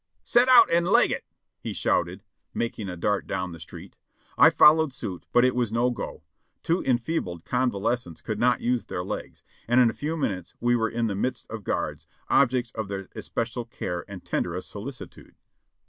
"Set out and leg it!" he shouted, making a dart down the street. I followed suit, but it was no go: two enfeebled con valescents could not use their legs, and in a few minutes we were in the midst of guards, objects of their especial care and tenderest solicitude.